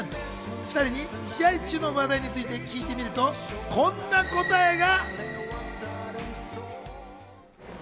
２人に試合中の話題について聞いてみるとこんな答えが。